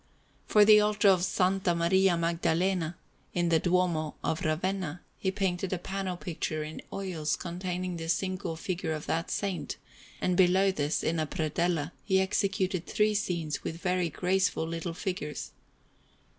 For the altar of S. Maria Maddalena, in the Duomo of Ravenna, he painted a panel picture in oils containing the single figure of that Saint; and below this, in a predella, he executed three scenes with very graceful little figures.